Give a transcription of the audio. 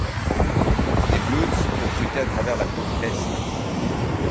Les Bloods recrutaient à travers la côte Est.